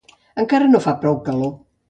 Encara no fa prou calor